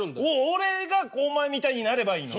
俺がお前みたいになればいいのね？